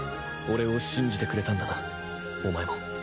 俺を信じてくれたんだなお前も。